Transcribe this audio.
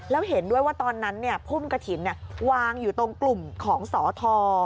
แล้วเห็นด้วยว่าตอนนั้นพุ่มกระถิ่นวางอยู่ตรงกลุ่มของสอท